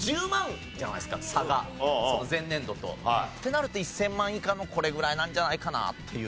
なると１０００万以下のこれぐらいなんじゃないかなっていう。